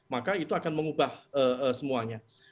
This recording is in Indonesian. maka itu akan mengubah semuanya